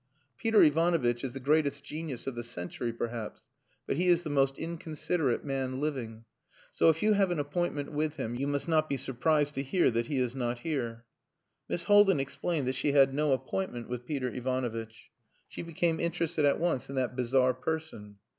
"Peter Ivanovitch is the greatest genius of the century perhaps, but he is the most inconsiderate man living. So if you have an appointment with him you must not be surprised to hear that he is not here." Miss Haldin explained that she had no appointment with Peter Ivanovitch. She became interested at once in that bizarre person.